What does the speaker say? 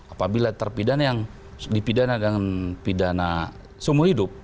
apabila terpidana yang dipidana dengan pidana seumur hidup